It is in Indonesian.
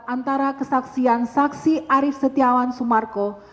antara kesaksian saksi arief setiawan sumarko